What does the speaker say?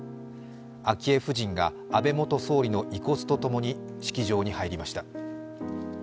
昭恵夫人が、安倍元総理の遺骨とともに、式場に入りました。